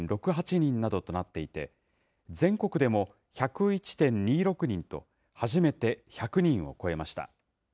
人などとなっていて、全国でも１０１．２６人と、初めて１００人を超えました。